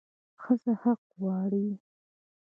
ښځه حق غواړي